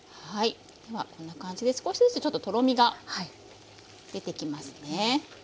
こんな感じで少しずつちょっととろみが出てきますね。